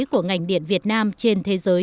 của ngành điện việt nam trên thế giới